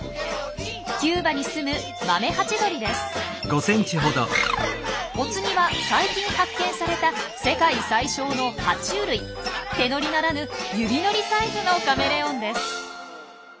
キューバにすむお次は最近発見された手乗りならぬ指乗りサイズのカメレオンです。